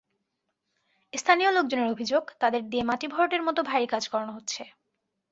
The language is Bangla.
স্থানীয় লোকজনের অভিযোগ, তাদের দিয়ে মাটি ভরাটের মতো ভারী কাজ করানো হচ্ছে।